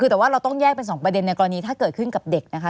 แต่ว่าเราต้องแยกเป็นสองประเด็นในกรณีถ้าเกิดขึ้นกับเด็กนะคะ